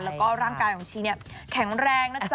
แล้วก็ร่างกายของชีเนี่ยแข็งแรงนะจ๊